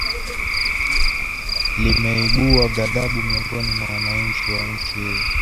limeibuwa ghadhabu miongoni mwa wananchi wa nchi hiyo